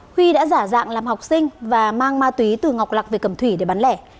huy đã giả dạng làm học sinh và mang ma túy từ ngọc lạc về cầm thủy để bán lẻ